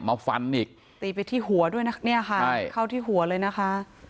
มาฟันอีกตีไปที่หัวด้วยนะเนี่ยค่ะใช่เข้าที่หัวเลยนะคะ